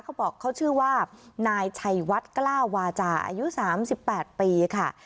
เขาบอกเขาชื่อว่านายชัยวัดกล้าวาจาอายุ๓๘ปีค่ะ